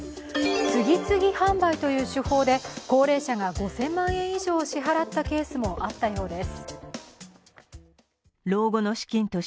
次々販売という手法で高齢者が５０００万円以上支払ったケースもあったそうです。